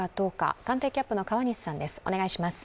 官邸キャップの川西さんです。